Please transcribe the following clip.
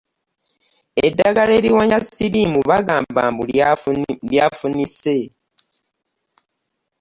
Eddagala eriwonya ssiriimu bagamba mbu lyafunise.